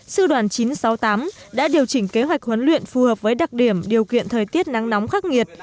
sư đoàn chín trăm sáu mươi tám đã điều chỉnh kế hoạch huấn luyện phù hợp với đặc điểm điều kiện thời tiết nắng nóng khắc nghiệt